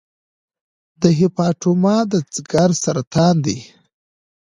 د هیپاټوما د ځګر سرطان دی.